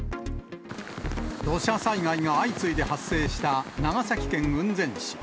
土砂災害が相次いで発生した長崎県雲仙市。